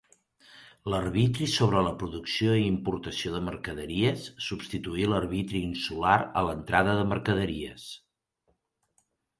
L'Arbitri sobre la Producció i Importació de Mercaderies substituí l'Arbitri Insular a l'Entrada de Mercaderies.